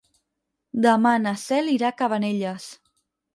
Demà na Cel irà a Cabanelles.